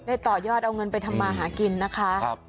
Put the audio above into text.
ต่อยอดเอาเงินไปทำมาหากินนะคะ